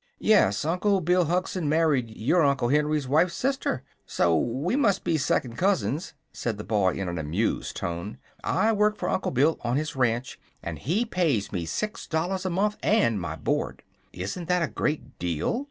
"Yes. Uncle Bill Hugson married your Uncle Henry's wife's sister; so we must be second cousins," said the boy, in an amused tone. "I work for Uncle Bill on his ranch, and he pays me six dollars a month and my board." "Isn't that a great deal?"